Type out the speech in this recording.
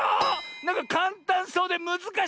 なんかかんたんそうでむずかしい！